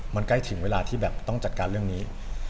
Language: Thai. มันใกล้ถึงเวลาที่แบบต้องจัดการเรื่องนี้